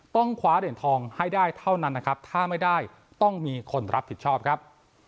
คว้าเหรียญทองให้ได้เท่านั้นนะครับถ้าไม่ได้ต้องมีคนรับผิดชอบครับ